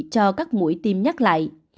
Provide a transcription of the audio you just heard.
cho các mũi tiêm nhắc lại